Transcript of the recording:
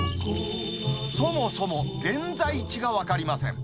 そもそも現在地が分かりません。